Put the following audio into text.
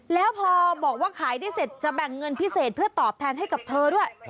แล้วพอบอกว่าขายได้เสร็จจะแบ่งเงินพิเศษเพื่อตอบแทนให้กับเธอด้วย